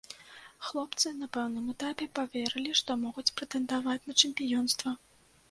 Хлопцы на пэўным этапе паверылі, што могуць прэтэндаваць на чэмпіёнства.